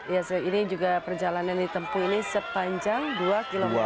ya ini juga perjalanan ditempuh ini sepanjang dua km